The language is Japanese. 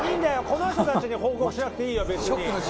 この人たちに報告しなくていいよ別に」